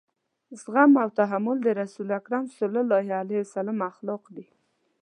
زغم او تحمل د رسول کريم صلی الله علیه وسلم اخلاق دي.